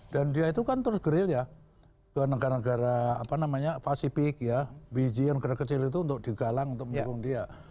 dan dia itu kan terus geril ya ke negara negara apa namanya pacific ya biji yang kecil kecil itu untuk digalang untuk mendukung dia